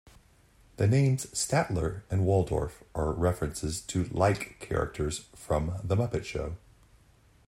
The names Statler and Waldorf are references to like characters from The Muppet Show.